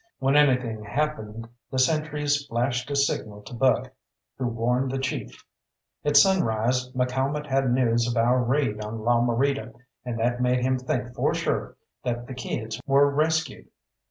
When anything happened the sentries flashed a signal to Buck, who warned the chief. At sunrise McCalmont had news of our raid on La Morita, and that made him think for sure that the kids were rescued.